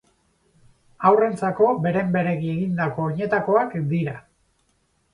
Haurrentzako beren-beregi egindako oinetakoak dira.